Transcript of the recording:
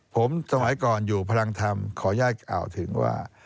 ผมสมัยก่อนอยู่พลังธรรมขออนุญาตกล่าวถึงว่า